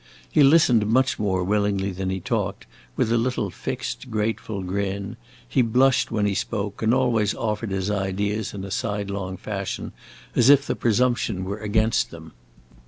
He listened much more willingly than he talked, with a little fixed, grateful grin; he blushed when he spoke, and always offered his ideas in a sidelong fashion, as if the presumption were against them.